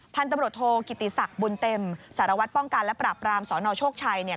พันธุ์ตำรวจโทกิติศักดิ์บุญเต็มสารวัตรป้องกันและปราบรามสนโชคชัยเนี่ย